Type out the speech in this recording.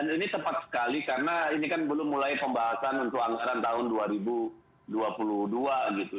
ini tepat sekali karena ini kan belum mulai pembahasan untuk anggaran tahun dua ribu dua puluh dua gitu